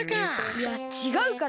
いやちがうから。